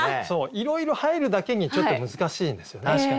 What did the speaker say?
いろいろ入るだけにちょっと難しいんですよね。